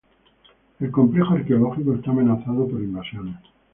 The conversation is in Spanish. El complejo arqueológico está amenazado por invasiones.